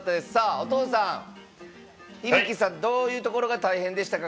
お父さん響さん、どういうところが大変でしたか。